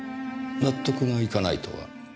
納得がいかないとは？